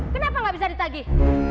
kenapa nggak bisa ditagih